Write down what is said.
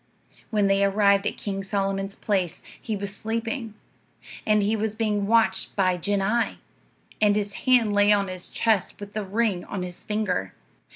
"When they arrived at King Solomon's place, he was sleeping, and was being watched by genii, and his hand lay on his chest, with the ring on his finger.